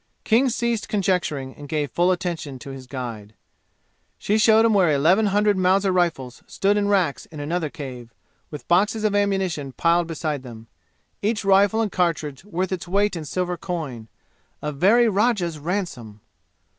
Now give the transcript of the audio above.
King ceased conjecturing and gave full attention to his guide. She showed him where eleven hundred Mauser rifles stood in racks in another cave, with boxes of ammunition piled beside them each rifle and cartridge worth its weight in silver coin a very rajah's ransom!